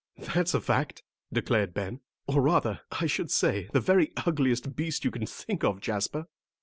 "That's a fact," declared Ben, "or rather, I should say, the very ugliest beast you can think of, Jasper."